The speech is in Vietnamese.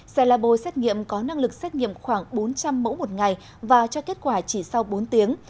xe labo xét nghiệm có năng lực xét nghiệm khoảng bốn trăm linh mẫu một ngày và cho kết quả chỉ sau bốn tiếng